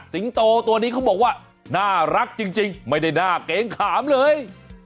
โตตัวนี้เขาบอกว่าน่ารักจริงไม่ได้น่าเกรงขามเลย